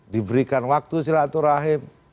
diberikan waktu silaturahmi